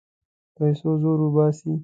پیسو زور وباسي.